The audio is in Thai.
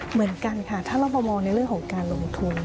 เหมือนกันค่ะถ้าเรามามองในเรื่องของการลงทุน